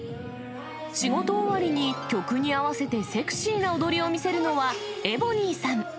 仕事終わりに曲に合わせてセクシーな踊りを見せるのは、エボニーさん。